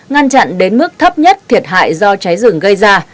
ngăn chặn đến mức thấp nhất thiệt hại do cháy rừng gây ra